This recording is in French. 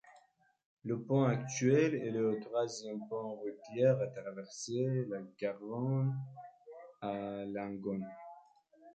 Le pont actuel est le troisième pont routier à traverser la Garonne à Langon.